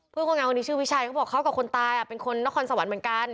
คนงานคนนี้ชื่อวิชัยเขาบอกเขากับคนตายเป็นคนนครสวรรค์เหมือนกัน